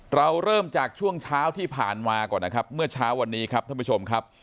เราเริ่มจากช่วงเช้าที่ผ่านมาก่อนนะครับเมื่อเช้าวันนี้ครับท่านผู้ชมครับ